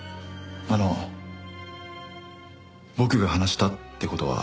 あの僕が話したって事は。